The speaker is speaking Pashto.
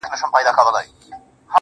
قربانو مخه دي ښه~